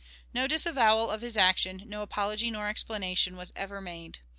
No disavowal of his action, no apology nor explanation, was ever made.